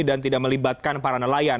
dan tidak melibatkan para nelayan